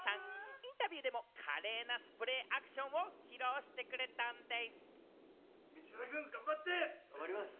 インタビューでも華麗なスプレーアクションを披露してくれたんでぃす。